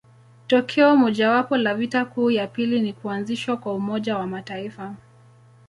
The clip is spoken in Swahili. Tokeo mojawapo la vita kuu ya pili ni kuanzishwa kwa Umoja wa Mataifa.